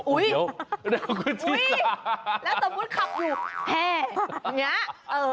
อุ๊ยแล้วตมพูดขับหยุดแห่อย่างเนี้ย